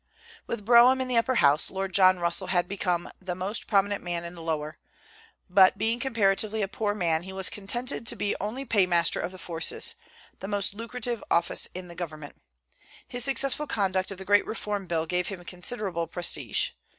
With Brougham in the upper House, Lord John Russell had become the most prominent man in the lower; but being comparatively a poor man, he was contented to be only paymaster of the forces, the most lucrative office in the government. His successful conduct of the great Reform Bill gave him considerable prestige.